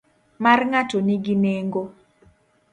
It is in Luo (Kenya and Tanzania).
Mar ng'ato ni gi nengo.